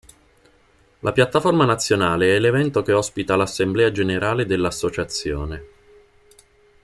La Piattaforma Nazionale è l'evento che ospita l'Assemblea Generale dell'associazione.